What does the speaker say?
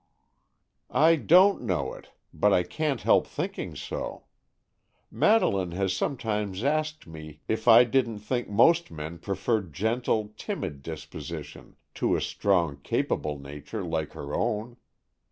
"I don't know it, but I can't help thinking so. Madeleine has sometimes asked me if I didn't think most men preferred gentle, timid dispositions to a strong, capable nature like her own.